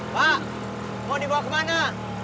pak mau dibawa kemana